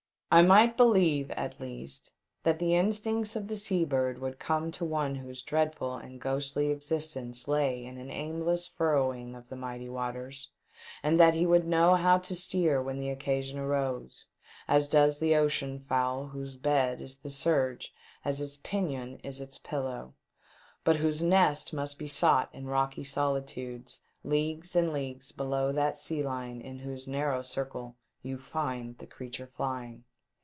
I might believe, at least, that the instincts of the sea bird would come to one whose dreadful and ghostly existence lay in an aimless furrowing of the mighty waters, and that he would know how to steer when the occasion arose, as does the ocean fowl whose bed is the surg^e as its pinion is its pillow, but whose nest must be sought in rocky solitudes, leagues LAND. 451 and leaofues below that sea line in whose narrow circle you find the creature flying.